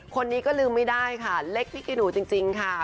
คนนี้ก็ลืมไม่ได้ค่ะเล็กพริกกี้หนูจริงค่ะ